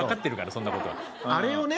そんなことはあれをね